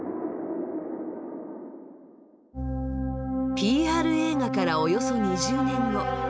ＰＲ映画からおよそ２０年後。